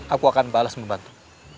aku akan balas membantu